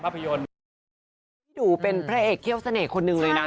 พี่หนูเป็นพระเอกเขี้ยวเสน่ห์คนหนึ่งเลยนะ